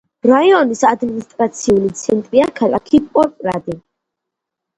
რაიონის ადმინისტრაციული ცენტრია ქალაქი პოპრადი.